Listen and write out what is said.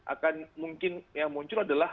akan mungkin yang muncul adalah